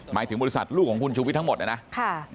หมายถึงบริษัทลูกของคุณชุวิตทั้งหมดเนี่ยนะ